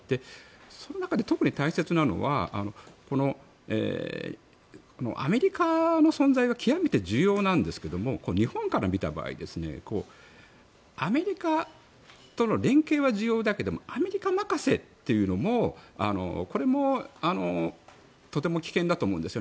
その中で特に大切なのはアメリカの存在が極めて重要なんですけど日本から見た場合アメリカとの連携は重要だけどもアメリカ任せというのもとても危険だと思うんです。